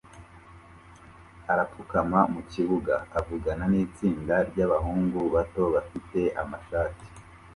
arapfukama mukibuga avugana nitsinda ryabahungu bato bafite amashat